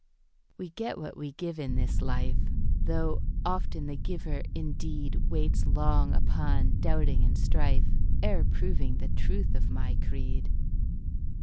We get what we give in this life, Though often the giver indeed Waits long upon doubting and strife Ere proving the truth of my creed.